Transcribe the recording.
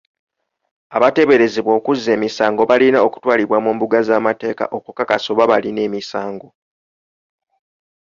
Abateeberezebwa okuzza emisango balina okutwalibwa mu mbuga z'amateeka okukakasa oba balina emisango.